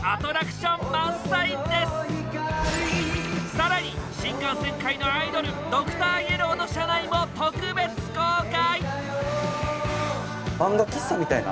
更に新幹線界のアイドルドクターイエローの車内も特別公開！